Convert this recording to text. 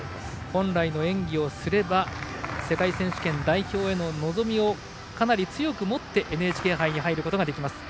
本来の演技をすれば世界選手権代表への望みをかなり強く持ってＮＨＫ杯に入ることができます。